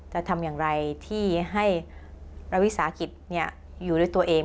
จะทำอย่างไรที่ให้รัฐวิสาหกิจอยู่ด้วยตัวเอง